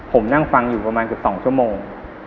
ผมนั่งฟังอยู่ประมาณเกือบ๒ชั่วโมง